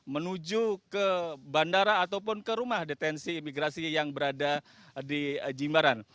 menuju ke bandara ataupun ke rumah detensi imigrasi yang berada di jimbaran